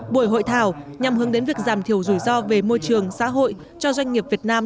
buổi hội thảo nhằm hướng đến việc giảm thiểu rủi ro về môi trường xã hội cho doanh nghiệp việt nam